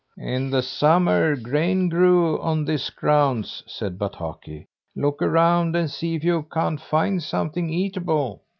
"In the summer grain grew on this ground," said Bataki. "Look around and see if you can't find something eatable."